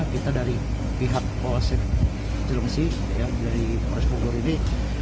kita dari pihak polsek jelungsi dari polres pogor ini